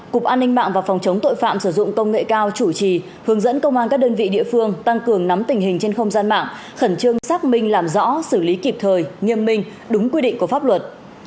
cục an ninh mạng và phòng chống tội phạm sử dụng công nghệ cao chủ trì hướng dẫn công an các đơn vị địa phương tăng cường nắm tình hình trên không gian mạng khẩn trương xác minh làm rõ xử lý kịp thời nghiêm minh đúng quy định của pháp luật